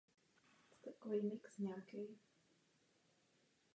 Čnělky jsou volné nebo téměř až k vrcholu srostlé.